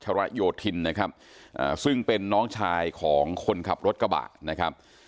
ระโยธินนะครับซึ่งเป็นน้องชายของคนขับรถกระบะนะครับ